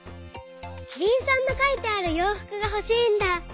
キリンさんのかいてあるようふくがほしいんだ！